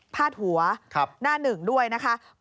หัวหน้าหนึ่งด้วยนะคะ